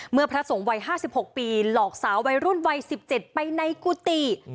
เมื่อพระทรงวัยห้าสิบหกปีหลอกสาววัยรุ่นวัยสิบเจ็ดไปในกูติ